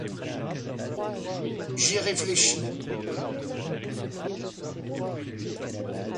J'ai réfléchi.